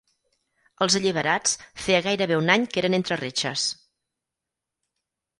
Els alliberats feia gairebé un any que eren entre reixes.